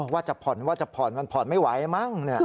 ว่าจะผ่อนว่าจะผ่อนมันผ่อนไม่ไหวมั้ง